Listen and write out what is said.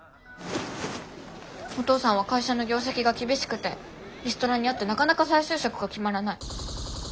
お父さんは会社の業績が厳しくてリストラに遭ってなかなか再就職が決まらない。